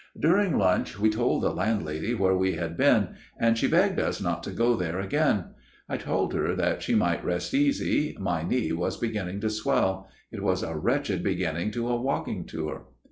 MR. PERCIVAL'S TALE 273 " During lunch we told the landlady where we had been ; and she begged us not to go there again. I told her that she might rest easy : my knee was beginning to swell. It was a wretched beginning to a walking tour.